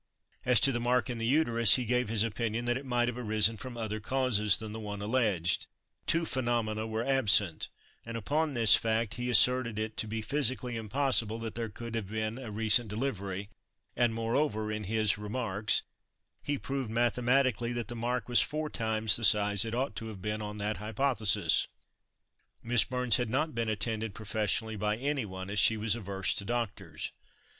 As to the mark in the uterus, he gave his opinion that it might have arisen from other causes than the one alleged; two phenomena were absent, and upon this fact he asserted it to be physically impossible that there could have been a recent delivery; and, moreover, in his "Remarks," he proved mathematically that the mark was four times the size it ought to have been on that hypothesis. Miss Burns had not been attended professionally by any one as she was averse to doctors.